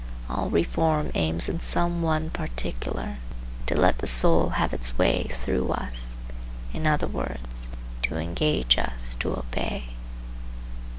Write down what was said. All reform aims in some one particular to let the soul have its way through us; in other words, to engage us to obey.